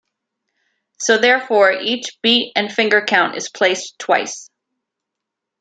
So therefore each beat and finger count is placed twice.